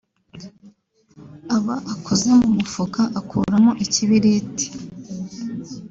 Aba akoze mu mufuka akuramo ikibiriti